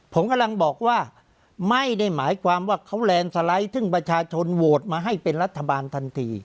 ผมกำลังบอกว่าไม่ได้หมายความว่าเขาแลนด์สไลด์ซึ่งประชาชนโหวตมาให้เป็นรัฐบาลทันที